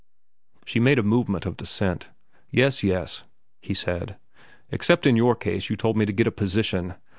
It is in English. She made a movement of dissent. "Yes, yes," he said; "except in your case you told me to get a position.